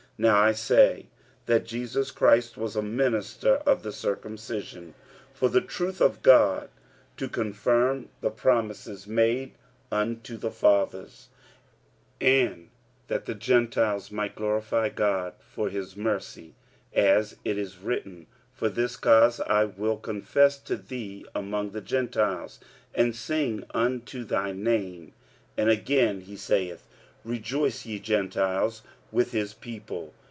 45:015:008 Now I say that Jesus Christ was a minister of the circumcision for the truth of God, to confirm the promises made unto the fathers: 45:015:009 And that the Gentiles might glorify God for his mercy; as it is written, For this cause I will confess to thee among the Gentiles, and sing unto thy name. 45:015:010 And again he saith, Rejoice, ye Gentiles, with his people.